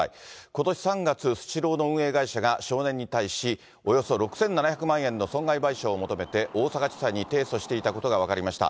ことし３月、スシローの運営会社が少年に対し、およそ６７００万円の損害賠償を求めて、大阪地裁に提訴していたことが分かりました。